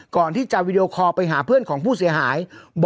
ก่อนที่จะวีดีโอคอลไปหาเพื่อนของผู้เสียหาย